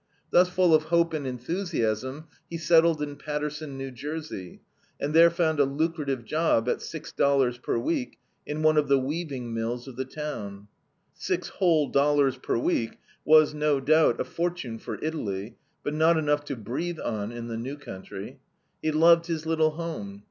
Thus full of hope and enthusiasm he settled in Paterson, New Jersey, and there found a lucrative job at six dollars per week in one of the weaving mills of the town. Six whole dollars per week was, no doubt, a fortune for Italy, but not enough to breathe on in the new country. He loved his little home.